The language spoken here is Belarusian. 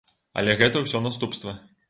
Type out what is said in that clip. Але гэта ўсё наступствы.